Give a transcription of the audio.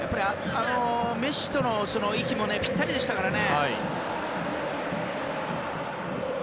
メッシとの息もぴったりでしたからね。